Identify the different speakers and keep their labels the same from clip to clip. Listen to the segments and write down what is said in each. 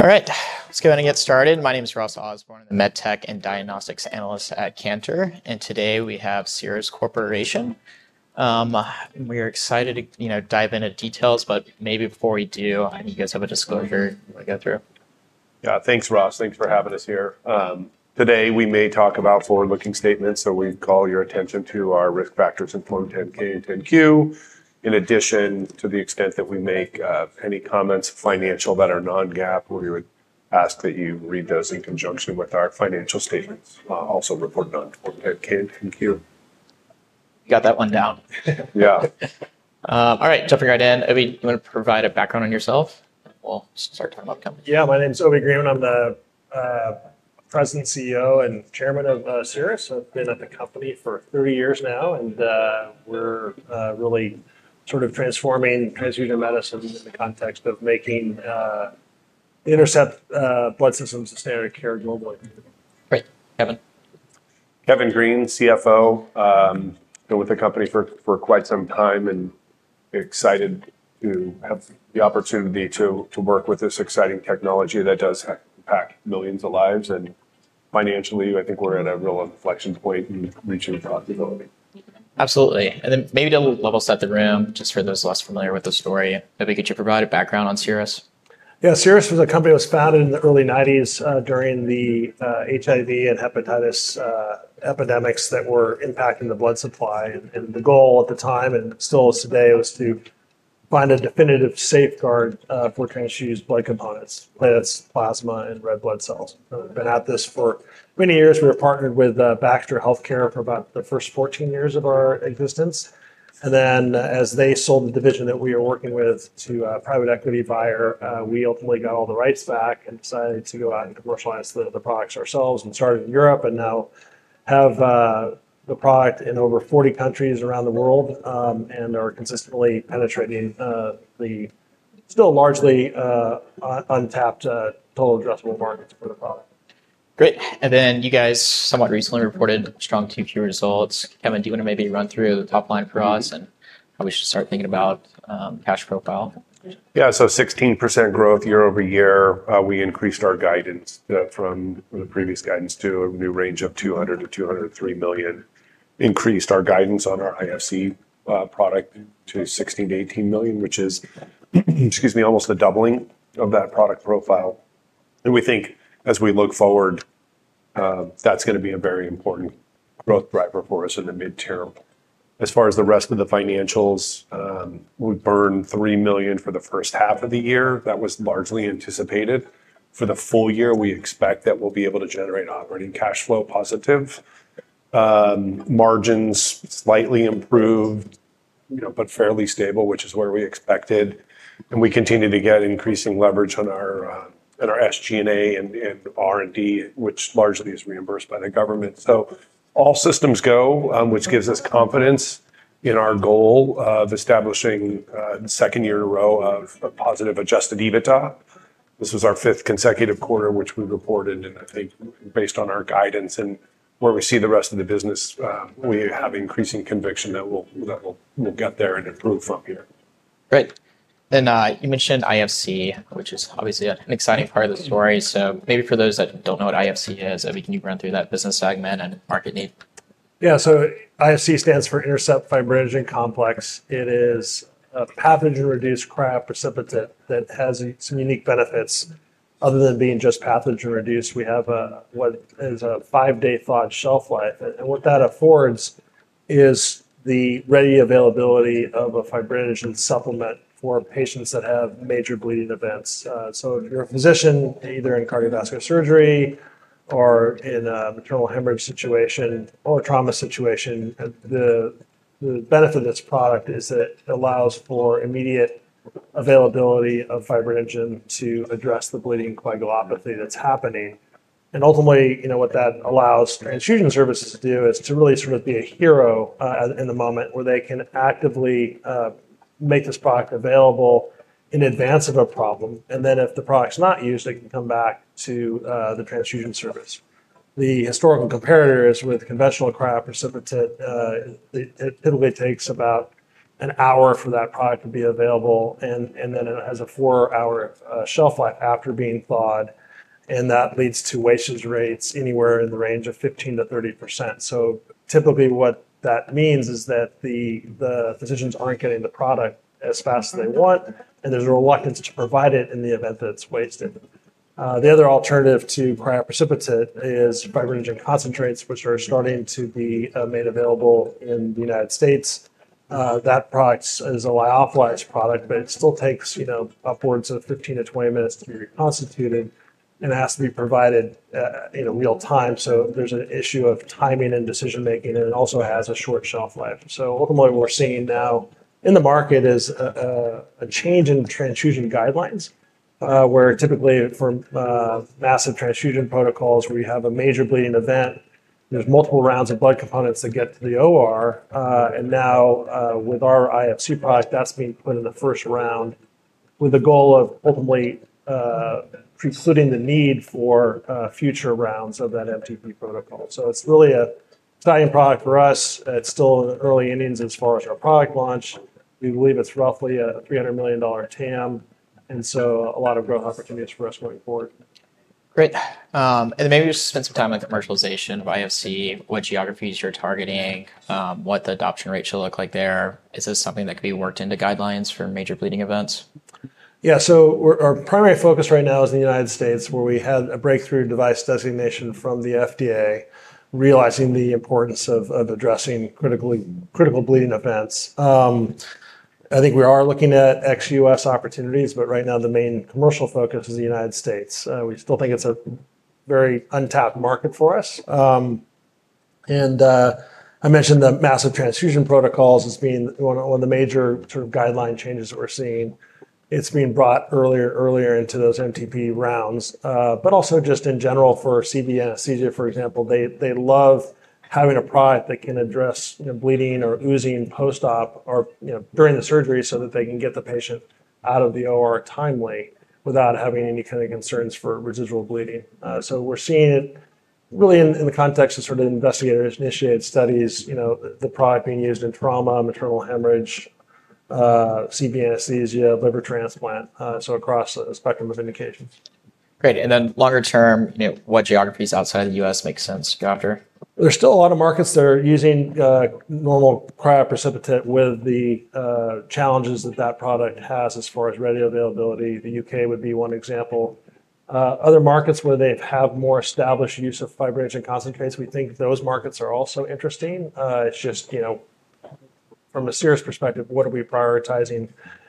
Speaker 1: All right, let's go ahead and get started. My name is Ross Osborn, the MedTech and Diagnostics Analyst at Cantor, and today we have Cerus Corporation. We're excited to dive into details, but maybe before we do, I know you guys have a disclosure you want to go through.
Speaker 2: Yeah, thanks, Ross. Thanks for having us here. Today we may talk about forward-looking statements, so we call your attention to our risk factors in Form 10-K and 10-Q. In addition, to the extent that we make any financial comments that are non-GAAP, we would ask that you read those in conjunction with our financial statements, also reported on Form 10-K and 10-Q.
Speaker 1: Got that one down.
Speaker 2: Yeah.
Speaker 1: All right, jumping right in. Obi, you want to provide a background on yourself? We'll start talking about the company.
Speaker 3: Yeah, my name is Obi Greenman. I'm the President, CEO, and Chairman of Cerus. I've been at the company for 30 years now, and we're really sort of transforming transfusion medicine in the context of making INTERCEPT Blood Systems as standard of care globally.
Speaker 1: Great. Kevin.
Speaker 2: Kevin Green, CFO. Been with the company for quite some time and excited to have the opportunity to work with this exciting technology that does impact millions of lives and financially, I think we're at a real inflection point in reaching profitability.
Speaker 1: Absolutely, and then maybe to level set the room, just for those less familiar with the story, Obi, could you provide a background on Cerus?
Speaker 3: Yeah, Cerus was a company that was founded in the early 1990s during the HIV and hepatitis epidemics that were impacting the blood supply. And the goal at the time, and still is today, was to find a definitive safeguard for transfused blood components: platelets, plasma, and red blood cells. We've been at this for many years. We were partnered with Baxter Healthcare for about the first 14 years of our existence. And then as they sold the division that we were working with to a private equity buyer, we ultimately got all the rights back and decided to go out and commercialize the products ourselves and started in Europe. And now have the product in over 40 countries around the world and are consistently penetrating the still largely untapped total addressable markets for the product.
Speaker 1: Great. And then you guys somewhat recently reported strong Q2 results. Kevin, do you want to maybe run through the top line for us and how we should start thinking about cash profile?
Speaker 2: Yeah, so 16% growth year-over-year. We increased our guidance from the previous guidance to a new range of $200 million-$203 million. Increased our guidance on our IFC product to $16 million-$18 million, which is, excuse me, almost the doubling of that product profile. And we think as we look forward, that's going to be a very important growth driver for us in the midterm. As far as the rest of the financials, we burned $3 million for the first half of the year. That was largely anticipated. For the full year, we expect that we'll be able to generate operating cash flow positive. Margins slightly improved, but fairly stable, which is where we expected. And we continue to get increasing leverage on our SG&A and R&D, which largely is reimbursed by the government. So all systems go, which gives us confidence in our goal of establishing the second year in a row of positive adjusted EBITDA. This was our fifth consecutive quarter, which we reported. And I think based on our guidance and where we see the rest of the business, we have increasing conviction that we'll get there and improve from here.
Speaker 1: Great. Then you mentioned IFC, which is obviously an exciting part of the story. So maybe for those that don't know what IFC is, Obi, can you run through that business segment and market need?
Speaker 3: Yeah, so IFC stands for INTERCEPT Fibrinogen Complex. It is a pathogen-reduced cryoprecipitate that has some unique benefits. Other than being just pathogen-reduced, we have what is a five-day thawed shelf life. And what that affords is the ready availability of a fibrinogen supplement for patients that have major bleeding events. So if you're a physician, either in cardiovascular surgery or in a maternal hemorrhage situation or trauma situation, the benefit of this product is that it allows for immediate availability of fibrinogen to address the bleeding coagulopathy that's happening. And ultimately, what that allows transfusion services to do is to really sort of be a hero in the moment where they can actively make this product available in advance of a problem. And then if the product's not used, they can come back to the transfusion service. The historical comparator is with conventional cryoprecipitate. It typically takes about an hour for that product to be available. And then it has a four-hour shelf life after being thawed. And that leads to wastage rates anywhere in the range of 15%-30%. So typically what that means is that the physicians aren't getting the product as fast as they want, and there's a reluctance to provide it in the event that it's wasted. The other alternative to cryoprecipitate is fibrinogen concentrates, which are starting to be made available in the United States. That product is a lyophilized product, but it still takes upwards of 15 minutes-20 minutes to be reconstituted and has to be provided in real time. So there's an issue of timing and decision-making, and it also has a short shelf life. Ultimately what we're seeing now in the market is a change in transfusion guidelines, where typically for massive transfusion protocols, where you have a major bleeding event, there's multiple rounds of blood components that get to the OR. Now with our IFC product, that's being put in the first round with the goal of ultimately precluding the need for future rounds of that MTP protocol. It's really an exciting product for us. It's still in the early innings as far as our product launch. We believe it's roughly a $300 million TAM. A lot of growth opportunities for us going forward.
Speaker 1: Great. And then maybe just spend some time on commercialization of IFC, what geographies you're targeting, what the adoption rate should look like there. Is this something that could be worked into guidelines for major bleeding events?
Speaker 3: Yeah, so our primary focus right now is in the United States, where we had a breakthrough device designation from the FDA, realizing the importance of addressing critical bleeding events. I think we are looking at ex-U.S. opportunities, but right now the main commercial focus is the United States. We still think it's a very untapped market for us. And I mentioned the massive transfusion protocols as being one of the major sort of guideline changes that we're seeing. It's being brought earlier and earlier into those MTP rounds. But also just in general for CV anesthesia, for example, they love having a product that can address bleeding or oozing post-op or during the surgery so that they can get the patient out of the OR timely without having any kind of concerns for residual bleeding. So we're seeing it really in the context of sort of investigator-initiated studies, the product being used in trauma, maternal hemorrhage, CV anesthesia, liver transplant, so across the spectrum of indications.
Speaker 1: Great. And then longer term, what geographies outside of the U.S. make sense to go after?
Speaker 3: There's still a lot of markets that are using normal cryoprecipitate with the challenges that that product has as far as ready availability. The U.K. would be one example. Other markets where they have more established use of fibrinogen concentrates, we think those markets are also interesting. It's just from a Cerus perspective, what are we prioritizing?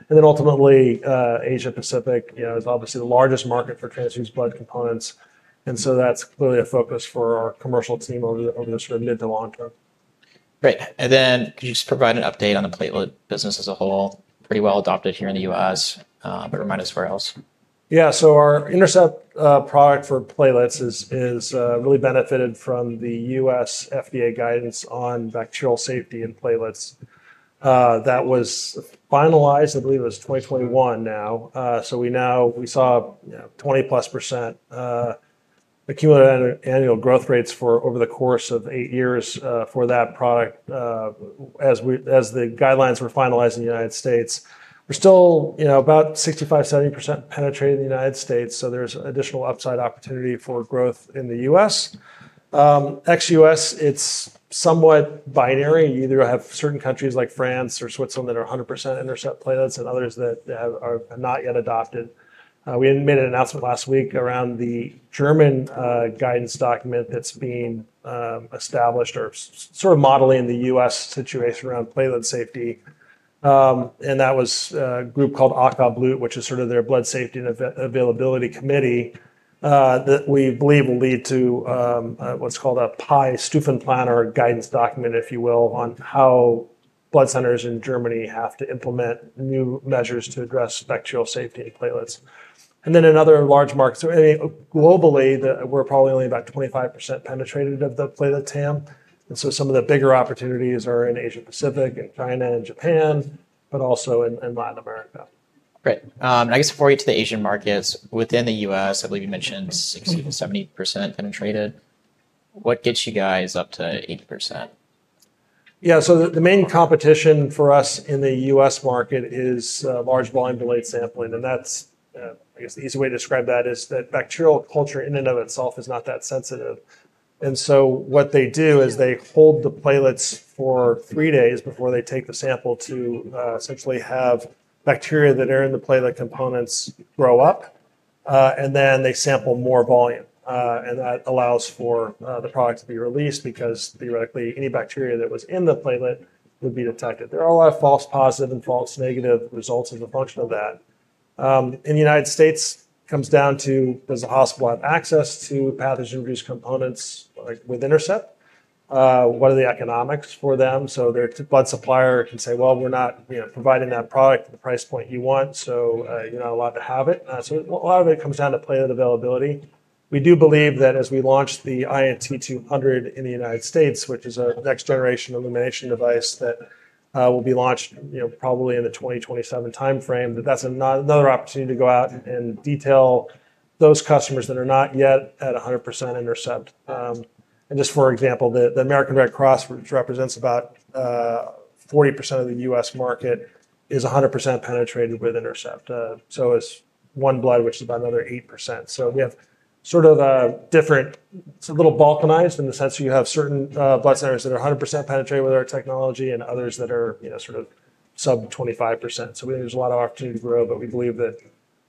Speaker 3: And then ultimately, Asia-Pacific is obviously the largest market for transfused blood components. And so that's clearly a focus for our commercial team over the sort of mid to long term.
Speaker 1: Great. And then could you just provide an update on the platelet business as a whole? Pretty well adopted here in the U.S., but remind us where else.
Speaker 3: Yeah, so our INTERCEPT product for platelets has really benefited from the U.S. FDA guidance on bacterial safety and platelets. That was finalized, I believe it was 2021 now. So we saw 20-plus% accumulated annual growth rates for over the course of eight years for that product as the guidelines were finalized in the United States. We're still about 65%-70% penetrated in the United States. So there's additional upside opportunity for growth in the U.S. Ex-U.S., it's somewhat binary. You either have certain countries like France or Switzerland that are 100% INTERCEPT platelets and others that have not yet adopted. We made an announcement last week around the German guidance document that's being established or sort of modeling the U.S. situation around platelet safety. That was a group called AK Blut, which is sort of their Blood Safety and Availability Committee, that we believe will lead to what's called a PEI Stufenplan guidance document, if you will, on how blood centers in Germany have to implement new measures to address bacterial safety and platelets. In other large markets, globally, we're probably only about 25% penetrated of the platelet TAM. Some of the bigger opportunities are in Asia-Pacific, China, and Japan, but also in Latin America.
Speaker 1: Great. I guess before we get to the Asian markets, within the U.S., I believe you mentioned 60%-70% penetrated. What gets you guys up to 80%?
Speaker 3: Yeah, so the main competition for us in the U.S. market is large volume delayed sampling, and that's, I guess the easy way to describe that is that bacterial culture in and of itself is not that sensitive. And so what they do is they hold the platelets for three days before they take the sample to essentially have bacteria that are in the platelet components grow up, and then they sample more volume. And that allows for the product to be released because theoretically any bacteria that was in the platelet would be detected. There are a lot of false positive and false negative results as a function of that. In the United States, it comes down to, does the hospital have access to pathogen-reduced components with INTERCEPT? What are the economics for them? Their blood supplier can say, "Well, we're not providing that product at the price point you want, so you're not allowed to have it." A lot of it comes down to platelet availability. We do believe that as we launch the INT200 in the United States, which is a next generation illumination device that will be launched probably in the 2027 timeframe, that that's another opportunity to go out and detail those customers that are not yet at 100% INTERCEPT. Just for example, the American Red Cross, which represents about 40% of the U.S. market, is 100% penetrated with INTERCEPT. It's OneBlood, which is about another 8%. We have sort of a different, it's a little balkanized in the sense that you have certain blood centers that are 100% penetrated with our technology and others that are sort of sub 25%. So we think there's a lot of opportunity to grow, but we believe that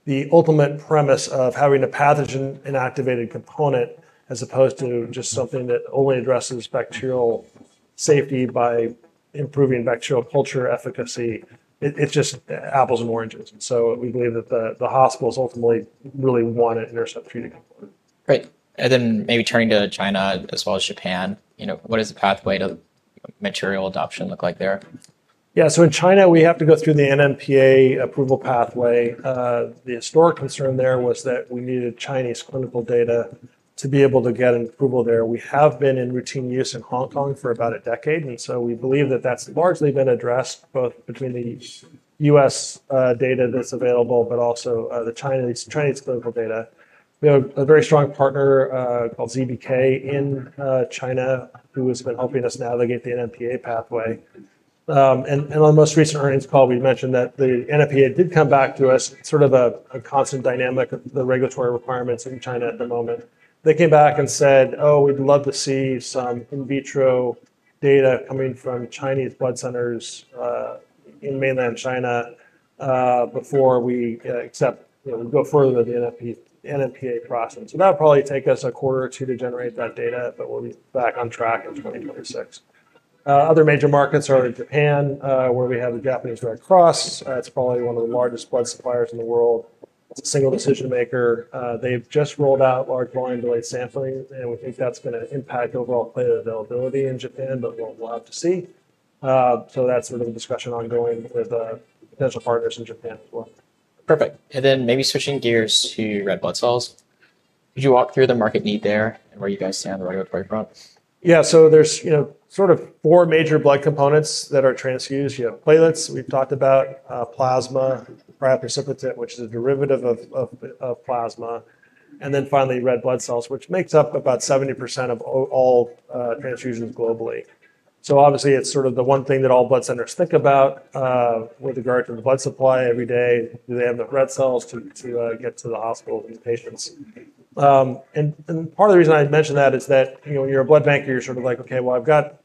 Speaker 3: the ultimate premise of having a pathogen-inactivated component as opposed to just something that only addresses bacterial safety by improving bacterial culture efficacy. It's just apples and oranges. And so we believe that the hospitals ultimately really want an INTERCEPT-treated component.
Speaker 1: Great. And then maybe turning to China as well as Japan, what does the pathway to material adoption look like there?
Speaker 3: Yeah, so in China, we have to go through the NMPA approval pathway. The historic concern there was that we needed Chinese clinical data to be able to get an approval there. We have been in routine use in Hong Kong for about a decade. And so we believe that that's largely been addressed both between the U.S. data that's available, but also the Chinese clinical data. We have a very strong partner called ZBK in China who has been helping us navigate the NMPA pathway. And on the most recent earnings call, we mentioned that the NMPA did come back to us, sort of a constant dynamic of the regulatory requirements in China at the moment. They came back and said, "Oh, we'd love to see some in vitro data coming from Chinese blood centers in mainland China before we accept, go further with the NMPA process." So that will probably take us a quarter or two to generate that data, but we'll be back on track in 2026. Other major markets are in Japan, where we have the Japanese Red Cross. It's probably one of the largest blood suppliers in the world. It's a single decision maker. They've just rolled out large volume delayed sampling, and we think that's going to impact overall platelet availability in Japan, but we'll have to see. So that's sort of the discussion ongoing with potential partners in Japan as well.
Speaker 1: Perfect. And then maybe switching gears to red blood cells. Could you walk through the market need there and where you guys stand on the regulatory front?
Speaker 3: Yeah, so there's sort of four major blood components that are transfused. You have platelets, we've talked about, plasma, cryoprecipitate, which is a derivative of plasma, and then finally red blood cells, which makes up about 70% of all transfusions globally. So obviously it's sort of the one thing that all blood centers think about with regard to the blood supply every day. Do they have the red cells to get to the hospitals and the patients? And part of the reason I mentioned that is that when you're a blood banker, you're sort of like, "Okay, well, I've got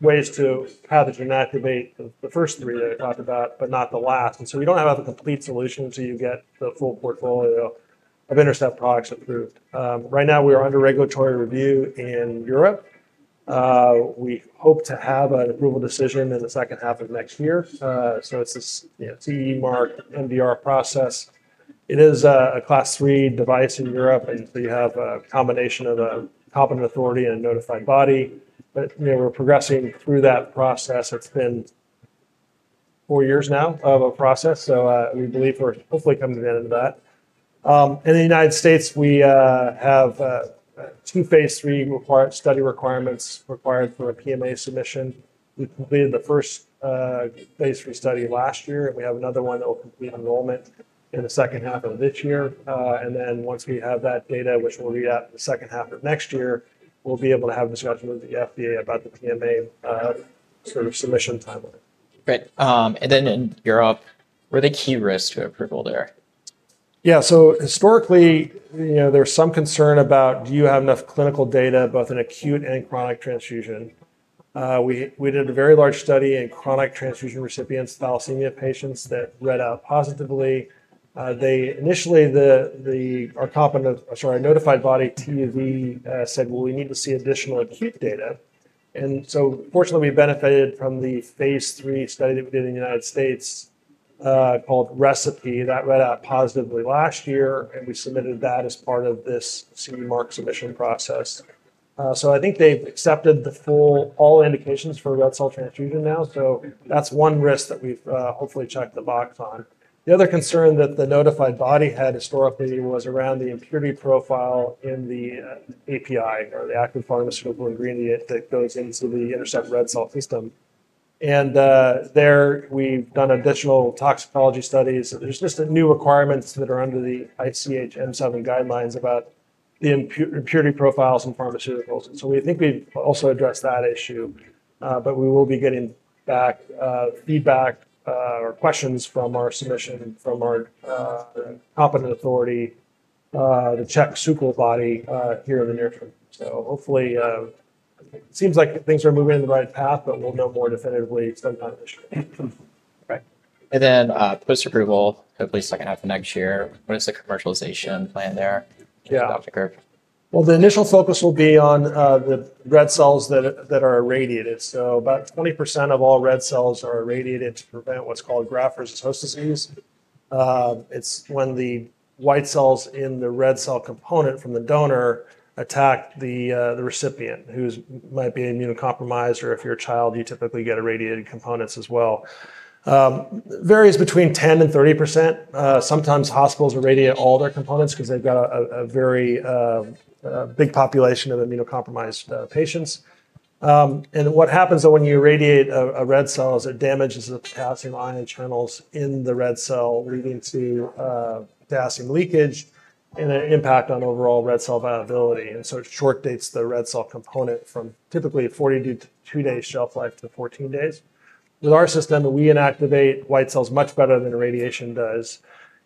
Speaker 3: ways to pathogen activate the first three that I talked about, but not the last." And so you don't have a complete solution until you get the full portfolio of INTERCEPT products approved. Right now we are under regulatory review in Europe. We hope to have an approval decision in the second half of next year, so it's a CE mark MDR process. It is a Class III device in Europe, and so you have a combination of a competent authority and a notified body, but we're progressing through that process. It's been four years now of a process, so we believe we're hopefully coming to the end of that. In the United States, we have two phase III study requirements required for a PMA submission. We completed the first phase III study last year, and we have another one that will complete enrollment in the second half of this year, and then once we have that data, which we'll read out in the second half of next year, we'll be able to have discussions with the FDA about the PMA sort of submission timeline.
Speaker 1: Great. And then in Europe, what are the key risks to approval there?
Speaker 3: Yeah, so historically, there's some concern about, do you have enough clinical data both in acute and chronic transfusion? We did a very large study in chronic transfusion recipients, thalassemia patients that read out positively. Initially, our competent, sorry, notified body TÜV said, "Well, we need to see additional acute data." And so fortunately, we benefited from the phase III study that we did in the United States called ReCePI that read out positively last year, and we submitted that as part of this CE mark submission process. So I think they've accepted all indications for red cell transfusion now. So that's one risk that we've hopefully checked the box on. The other concern that the notified body had historically was around the impurity profile in the API or the active pharmaceutical ingredient that goes into the INTERCEPT red cell system. And there we've done additional toxicology studies. There's just new requirements that are under the ICH M7 guidelines about the impurity profiles in pharmaceuticals. And so we think we've also addressed that issue, but we will be getting back feedback or questions from our submission from our competent authority, the TÜV SÜD body here in the near term. So hopefully it seems like things are moving in the right path, but we'll know more definitively sometime this year.
Speaker 1: Great. And then post-approval, hopefully second half of next year, what is the commercialization plan there?
Speaker 3: Yeah.
Speaker 1: Dr. Corash?
Speaker 3: The initial focus will be on the red cells that are irradiated. About 20% of all red cells are irradiated to prevent what's called graft-versus-host disease. It's when the white cells in the red cell component from the donor attack the recipient, who might be immunocompromised, or if you're a child, you typically get irradiated components as well. Varies between 10%-30%. Sometimes hospitals irradiate all their components because they've got a very big population of immunocompromised patients. What happens when you irradiate red cells? It damages the potassium ion channels in the red cell, leading to potassium leakage and an impact on overall red cell viability. It shortens the red cell component from typically 42-day shelf life to 14 days. With our system, we inactivate white cells much better than irradiation does,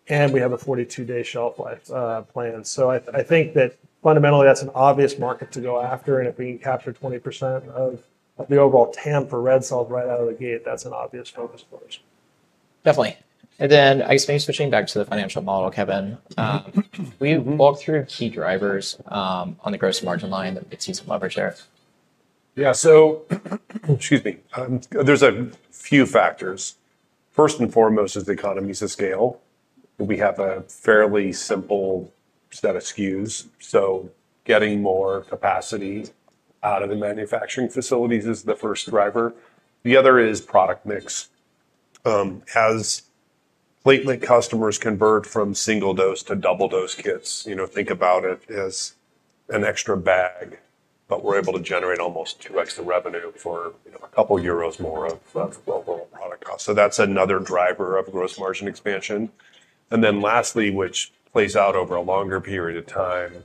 Speaker 3: and we have a 42-day shelf life plan. So I think that fundamentally that's an obvious market to go after. And if we can capture 20% of the overall TAM for red cells right out of the gate, that's an obvious focus for us.
Speaker 1: Definitely. And then I guess maybe switching back to the financial model, Kevin, can you walk through key drivers on the gross margin line that we'd see some leverage there?
Speaker 2: Yeah, so excuse me. There's a few factors. First and foremost is the economies of scale. We have a fairly simple set of SKUs. So getting more capacity out of the manufacturing facilities is the first driver. The other is product mix. As platelet customers convert from single dose to double dose kits, think about it as an extra bag, but we're able to generate almost 2x the revenue for a couple euros more of global product costs. So that's another driver of gross margin expansion. And then lastly, which plays out over a longer period of time,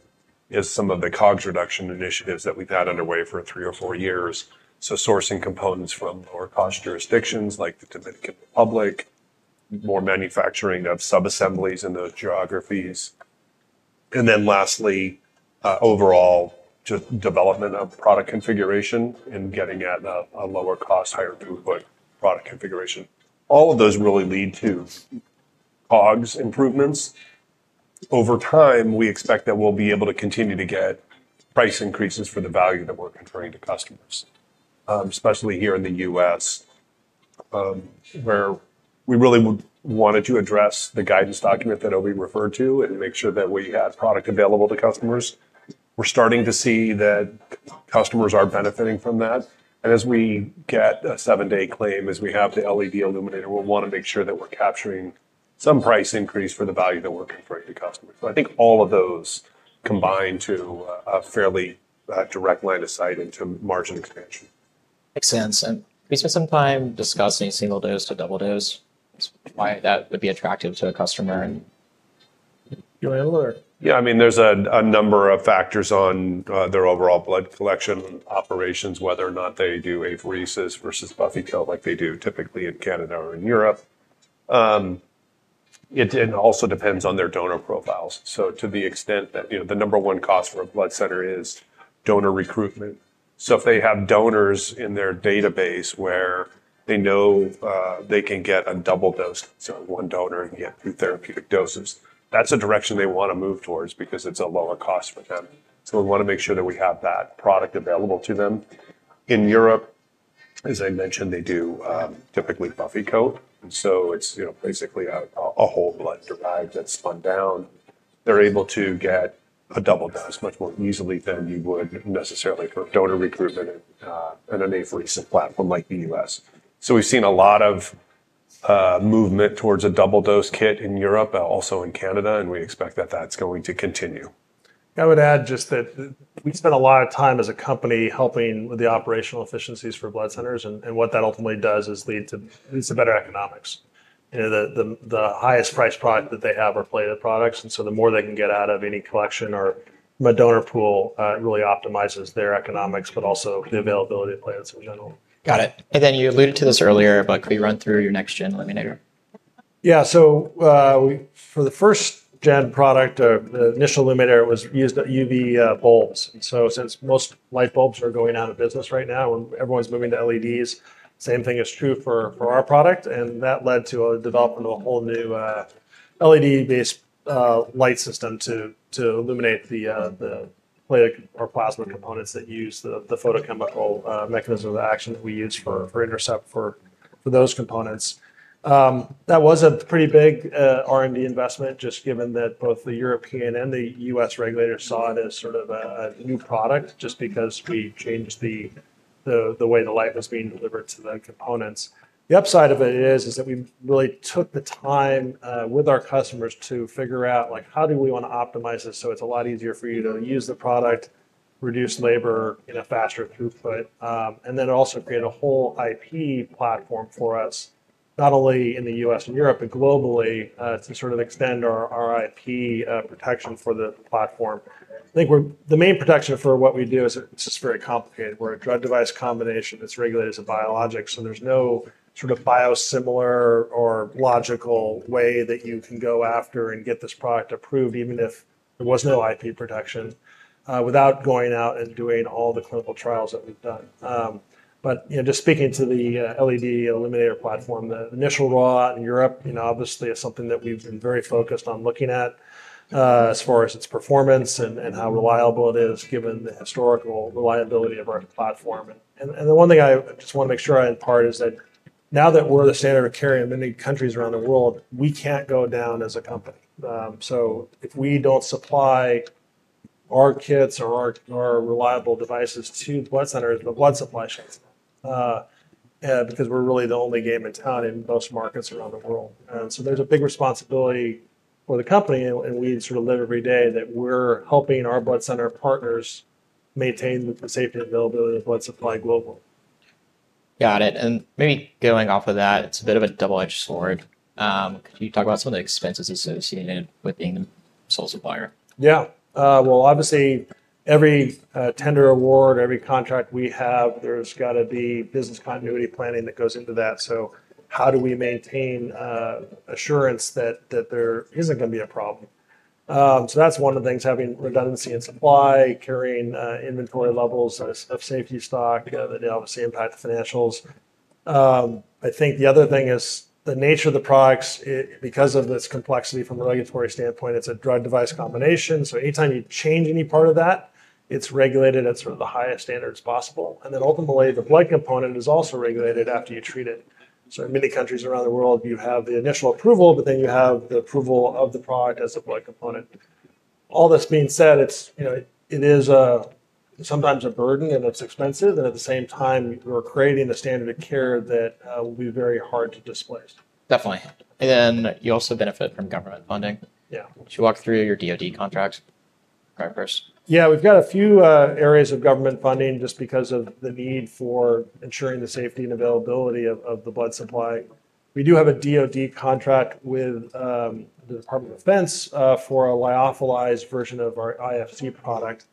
Speaker 2: is some of the COGS reduction initiatives that we've had underway for three or four years. So sourcing components from lower cost jurisdictions like the Dominican Republic, more manufacturing of sub-assemblies in those geographies. And then lastly, overall development of product configuration and getting at a lower cost, higher throughput product configuration. All of those really lead to COGS improvements. Over time, we expect that we'll be able to continue to get price increases for the value that we're conferring to customers, especially here in the U.S., where we really wanted to address the guidance document that Obi referred to and make sure that we had product available to customers. We're starting to see that customers are benefiting from that. And as we get a seven-day claim, as we have the LED illuminator, we'll want to make sure that we're capturing some price increase for the value that we're conferring to customers. So I think all of those combine to a fairly direct line of sight into margin expansion.
Speaker 1: Makes sense, and we spent some time discussing single dose to double dose, why that would be attractive to a customer.
Speaker 3: Do you want to add a little bit?
Speaker 2: Yeah, I mean, there's a number of factors on their overall blood collection operations, whether or not they do apheresis versus buffy coat like they do typically in Canada or in Europe. It also depends on their donor profiles. So to the extent that the number one cost for a blood center is donor recruitment. So if they have donors in their database where they know they can get a double dose, so one donor can get two therapeutic doses, that's a direction they want to move towards because it's a lower cost for them. So we want to make sure that we have that product available to them. In Europe, as I mentioned, they do typically buffy coat, and so it's basically a whole blood derived that's spun down. They're able to get a double dose much more easily than you would necessarily for donor recruitment and an apheresis platform like the U.S. So we've seen a lot of movement towards a double dose kit in Europe, also in Canada, and we expect that that's going to continue.
Speaker 3: I would add just that we spend a lot of time as a company helping with the operational efficiencies for blood centers. And what that ultimately does is lead to better economics. The highest price product that they have are platelet products. And so the more they can get out of any collection or from a donor pool, it really optimizes their economics, but also the availability of platelets in general.
Speaker 1: Got it. And then you alluded to this earlier, but could you run through your next-gen illuminator?
Speaker 3: Yeah, so for the first-gen product, the initial illuminator used UV bulbs. And so since most light bulbs are going out of business right now and everyone's moving to LEDs, same thing is true for our product. And that led to a development of a whole new LED-based light system to illuminate the platelet or plasma components that use the photochemical mechanism of action that we use for INTERCEPT for those components. That was a pretty big R&D investment, just given that both the European and the U.S. regulators saw it as sort of a new product just because we changed the way the light was being delivered to the components. The upside of it is that we really took the time with our customers to figure out how do we want to optimize it so it's a lot easier for you to use the product, reduce labor in a faster throughput, and then also create a whole IP platform for us, not only in the U.S. and Europe, but globally to sort of extend our IP protection for the platform. I think the main protection for what we do is it's just very complicated. We're a drug device combination that's regulated as a biologic. So there's no sort of biosimilar or logical way that you can go after and get this product approved, even if there was no IP protection, without going out and doing all the clinical trials that we've done. Just speaking to the LED illuminator platform, the initial draw in Europe, obviously is something that we've been very focused on looking at as far as its performance and how reliable it is, given the historical reliability of our platform. And the one thing I just want to make sure I impart is that now that we're the standard of care in many countries around the world, we can't go down as a company. So if we don't supply our kits or our reliable devices to blood centers, the blood supply chain, because we're really the only game in town in most markets around the world. And so there's a big responsibility for the company, and we sort of live every day that we're helping our blood center partners maintain the safety and availability of blood supply globally.
Speaker 1: Got it. And maybe going off of that, it's a bit of a double-edged sword. Could you talk about some of the expenses associated with being the sole supplier?
Speaker 3: Yeah. Well, obviously every tender award, every contract we have, there's got to be business continuity planning that goes into that. So how do we maintain assurance that there isn't going to be a problem? So that's one of the things, having redundancy in supply, carrying inventory levels of safety stock that obviously impact financials. I think the other thing is the nature of the products, because of this complexity from a regulatory standpoint, it's a drug device combination. So anytime you change any part of that, it's regulated at sort of the highest standards possible. And then ultimately, the blood component is also regulated after you treat it. So in many countries around the world, you have the initial approval, but then you have the approval of the product as a blood component. All this being said, it is sometimes a burden, and it's expensive. At the same time, we're creating the standard of care that will be very hard to displace.
Speaker 1: Definitely, and then you also benefit from government funding.
Speaker 3: Yeah.
Speaker 1: Would you walk through your DoD contracts first?
Speaker 3: Yeah, we've got a few areas of government funding just because of the need for ensuring the safety and availability of the blood supply. We do have a DoD contract with the Department of Defense for a lyophilized version of our IFC product.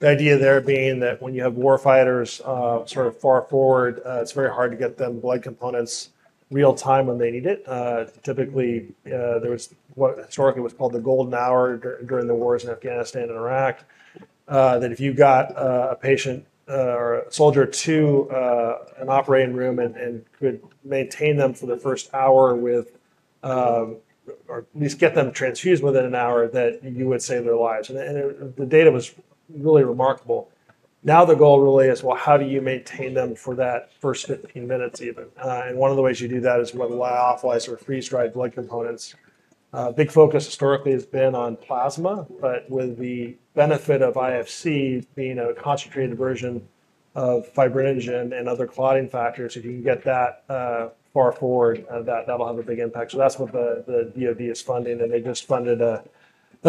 Speaker 3: The idea there being that when you have war fighters sort of far forward, it's very hard to get them blood components real-time when they need it. Typically, there was what historically was called the golden hour during the wars in Afghanistan and Iraq, that if you've got a patient or a soldier to an operating room and could maintain them for the first hour with, or at least get them transfused within an hour, that you would save their lives, and the data was really remarkable. Now the goal really is, well, how do you maintain them for that first 15 minutes even? One of the ways you do that is with lyophilized or freeze-dried blood components. Big focus historically has been on plasma, but with the benefit of IFC being a concentrated version of fibrinogen and other clotting factors, if you can get that far forward, that'll have a big impact. So that's what the DoD is funding. And they just funded a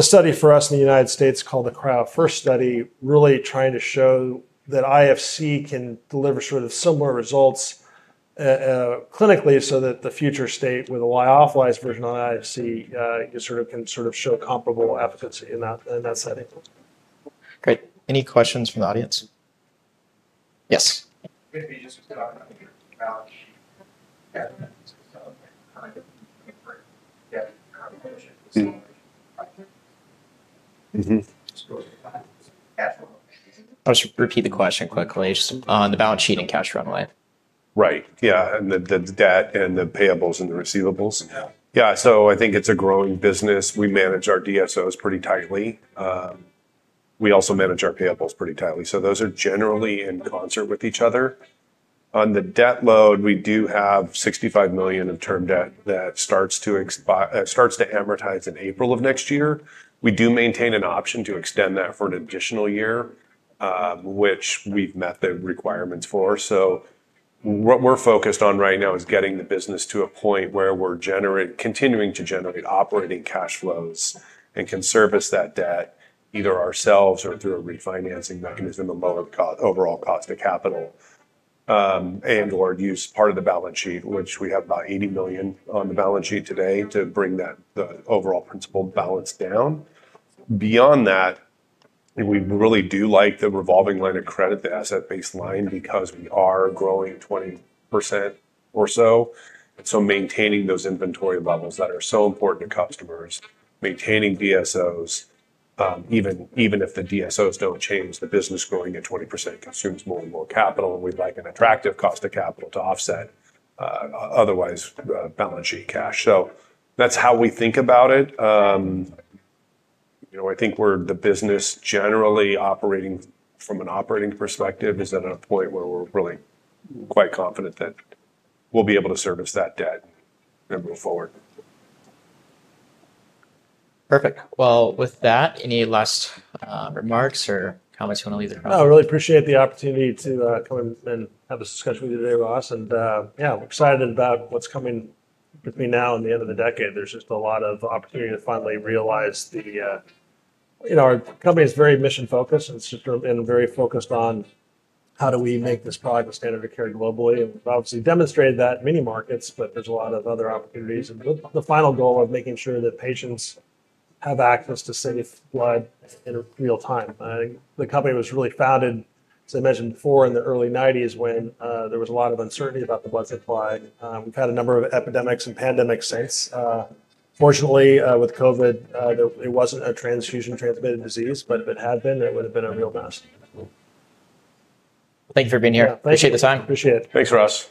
Speaker 3: study for us in the United States called the Cryo-FIRST study, really trying to show that IFC can deliver sort of similar results clinically so that the future state with a lyophilized version of IFC can sort of show comparable efficacy in that setting.
Speaker 1: Great. Any questions from the audience? Yes. I'll just repeat the question quickly. On the balance sheet and cash runway.
Speaker 2: Right. Yeah. And the debt and the payables and the receivables. Yeah. So I think it's a growing business. We manage our DSOs pretty tightly. We also manage our payables pretty tightly. So those are generally in concert with each other. On the debt load, we do have $65 million of term debt that starts to amortize in April of next year. We do maintain an option to extend that for an additional year, which we've met the requirements for. So what we're focused on right now is getting the business to a point where we're continuing to generate operating cash flows and can service that debt either ourselves or through a refinancing mechanism of lower overall cost of capital and/or use part of the balance sheet, which we have about $80 million on the balance sheet today to bring the overall principal balance down. Beyond that, we really do like the revolving line of credit, the asset-based line, because we are growing 20% or so, and so maintaining those inventory levels that are so important to customers, maintaining DSOs, even if the DSOs don't change, the business growing at 20% consumes more and more capital, and we'd like an attractive cost of capital to offset otherwise balance sheet cash, so that's how we think about it. I think we're the business generally operating from an operating perspective is at a point where we're really quite confident that we'll be able to service that debt and move forward.
Speaker 1: Perfect. Well, with that, any last remarks or comments you want to leave the room?
Speaker 3: No, I really appreciate the opportunity to come and have this discussion with you today, Ross. And yeah, we're excited about what's coming between now and the end of the decade. There's just a lot of opportunity to finally realize our company is very mission-focused and very focused on how do we make this product a standard of care globally. And we've obviously demonstrated that in many markets, but there's a lot of other opportunities. And the final goal of making sure that patients have access to safe blood in real time. The company was really founded, as I mentioned before, in the early 1990s when there was a lot of uncertainty about the blood supply. We've had a number of epidemics and pandemics since. Fortunately, with COVID, it wasn't a transfusion transmitted disease, but if it had been, it would have been a real mess.
Speaker 1: Thank you for being here. Appreciate the time.
Speaker 3: Appreciate it.
Speaker 2: Thanks, Ross.